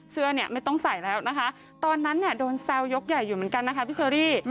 เสื้อเนี่ยไม่ต้องใส่แล้วนะคะตอนนั้นเนี่ยโดนแซวยกใหญ่อยู่เหมือนกันนะคะพี่เชอรี่